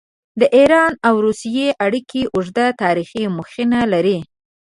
د ایران او روسیې اړیکې اوږده تاریخي مخینه لري.